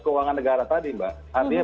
keuangan negara tadi mbak artinya